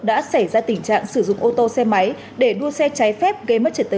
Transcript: đã xảy ra tình trạng sử dụng ô tô xe máy để đua xe trái phép gây mất trật tự an toàn giao thông an ninh trật tự